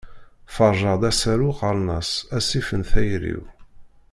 Ferrjeɣ-d asaru qqaren-as " Asif n tayri-w".